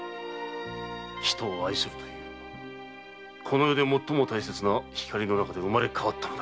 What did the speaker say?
人を愛するというこの世で最も大切な光の中で生まれ変わったのだ。